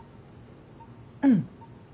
うん。